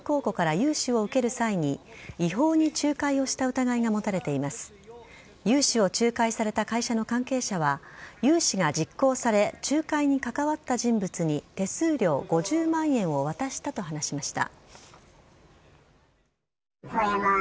融資を仲介された会社の関係者は融資が実行され仲介に関わった人物に手数料５０万円を渡したと話しました。